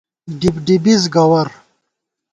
ڈبڈِبِز گَوَر